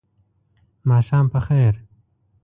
ماښام په خیر !